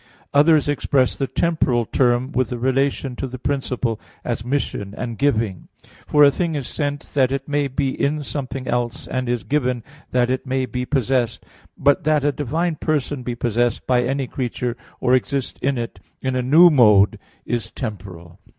Others express the temporal term with the relation to the principle, as "mission" and "giving." For a thing is sent that it may be in something else, and is given that it may be possessed; but that a divine person be possessed by any creature, or exist in it in a new mode, is temporal.